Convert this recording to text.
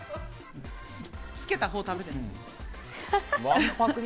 つけた方を食べてよ。